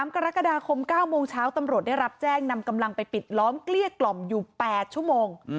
กรกฎาคม๙โมงเช้าตำรวจได้รับแจ้งนำกำลังไปปิดล้อมเกลี้ยกล่อมอยู่๘ชั่วโมง